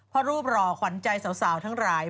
เพราะรูปหล่อขวัญใจสาวทั้งหลาย